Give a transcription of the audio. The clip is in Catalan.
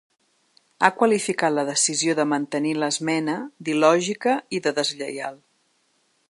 Ha qualificat la decisió de mantenir l’esmena d’il·lògica i de deslleial.